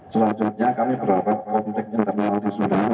selanjutnya kami berharap konflik internal di sudan